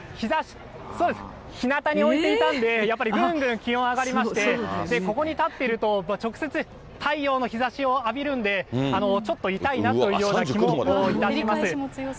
そうです、ひなたに置いていたんで、やっぱりぐんぐん気温上がりまして、ここに立っていると、直接太陽の日ざしを浴びるんで、ちょっと痛いなというような気もいたします。